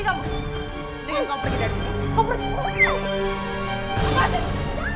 dengan kau pergi dari sini kau pergi dari sini